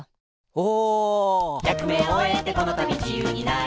お！